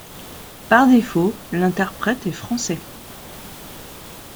Par défaut, l'interprète est français.